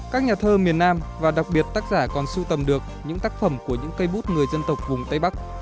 các nhà thơ miền nam và đặc biệt tác giả còn sưu tầm được những tác phẩm của những cây bút người dân tộc vùng tây bắc